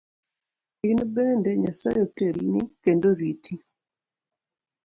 In bende Nyasaye otelni kendo oriti.